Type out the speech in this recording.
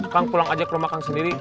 kang pulang aja ke rumah kang sendiri